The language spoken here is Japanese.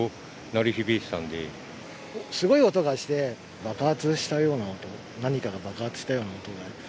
すごい音がして、爆発したような音、何かが爆発したような音が。